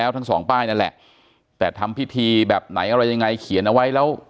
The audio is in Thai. ทั้งสองป้ายนั่นแหละแต่ทำพิธีแบบไหนอะไรยังไงเขียนเอาไว้แล้ว